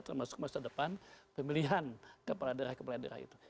termasuk masa depan pemilihan kepala daerah kepala daerah itu